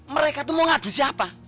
mereka itu mau ngadu siapa